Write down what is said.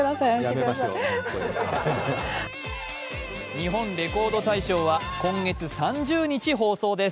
「日本レコード大賞」は今月３０日放送です。